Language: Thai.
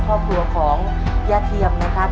ครอบครัวของย่าเทียมนะครับ